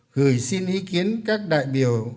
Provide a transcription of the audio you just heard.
gửi xin ý kiến các đại biểu